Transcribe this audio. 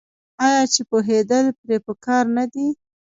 آیا چې پوهیدل پرې پکار نه دي؟